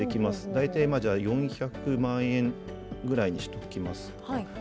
大体４００万円ぐらいにしておきますか。